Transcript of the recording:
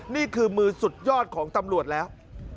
นี่คือมือสุดยอดของตำรวจแล้ว